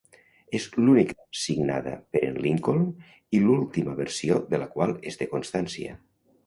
És l'única signada per en Lincoln i l'última versió de la qual es té constància.